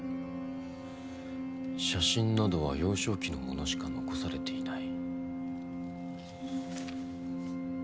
「写真などは幼少期のものしか残されていない」